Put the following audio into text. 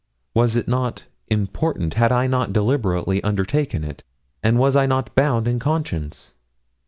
Was it not important had I not deliberately undertaken it and was I not bound in conscience?